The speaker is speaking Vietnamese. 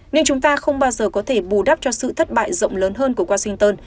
nên chúng ta không bao giờ có thể bù đắp cho sự thất bại rộng lớn hơn của washington